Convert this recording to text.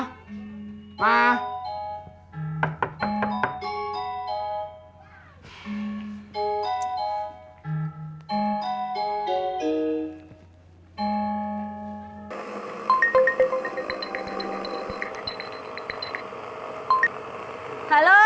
ya saya lagi konsentrasi